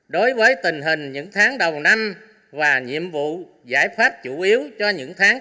đối với tình hình những tháng đầu năm và nhiệm vụ giải pháp chủ yếu cho những tháng